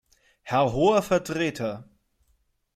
Herr Hoher Vertreter!